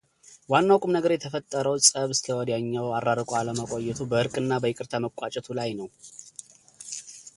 ዋናው ቁም ነገር የተፈጠረው ጸብ እስከወዲያኛው አራርቆ አለማቆየቱ በዕርቅና በይቅርታ መቋጨቱ ላይ ነው።